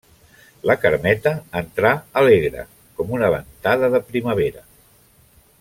La Carmeta entrà alegre com una ventada de primavera.